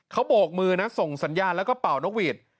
เขาโบกมือนะส่งสัญญาณแล้วก็เป่านกหวีด